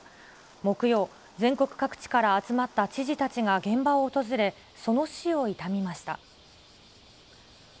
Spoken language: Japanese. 木曜、全国各地から集まった知事たちが現場を訪れ、その死を悼みました。